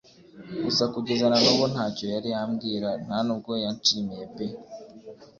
gusa kugeza nanubu ntacyo yari yambwira ntanubwo yanshimiye pe